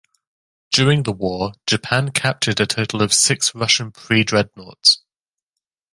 During the war, Japan captured a total of six Russian pre-dreadnoughts.